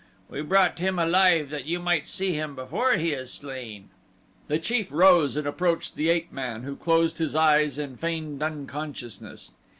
We brought him alive, that you might see him before he is slain." The chief rose and approached the ape man, who closed his eyes and feigned unconsciousness.